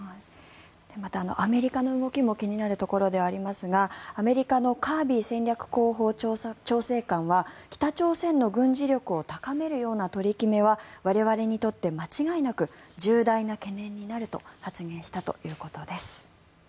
また、アメリカの動きも気になるところではありますがアメリカのカービー戦略広報調整官は北朝鮮の軍事力を高めるような取り決めは我々にとって間違いなく重大な懸念になると発言したということです。